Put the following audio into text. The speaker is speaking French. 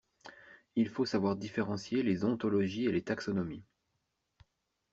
Il faut savoir différencier les ontologies et les taxonomies.